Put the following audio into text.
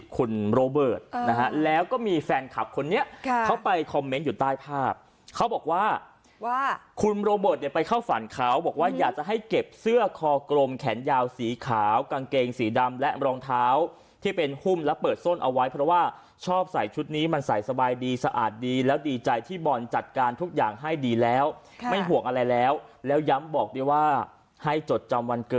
คุณโรเบิร์ตนะฮะแล้วก็มีแฟนคลับคนนี้เขาไปคอมเมนต์อยู่ใต้ภาพเขาบอกว่าว่าคุณโรเบิร์ตเนี่ยไปเข้าฝันเขาบอกว่าอยากจะให้เก็บเสื้อคอกลมแขนยาวสีขาวกางเกงสีดำและรองเท้าที่เป็นหุ้มและเปิดส้นเอาไว้เพราะว่าชอบใส่ชุดนี้มันใส่สบายดีสะอาดดีแล้วดีใจที่บอลจัดการทุกอย่างให้ดีแล้วไม่ห่วงอะไรแล้วแล้วย้ำบอกด้วยว่าให้จดจำวันเกิด